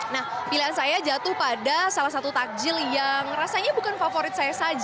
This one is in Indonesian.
nah pilihan saya jatuh pada salah satu takjil yang rasanya bukan favorit saya saja